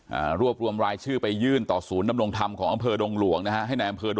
อ่ารวบรวมรายชื่อไปยื่นต่อศูนย์นำลงธรรมของอำเภอดงหลวงนะฮะ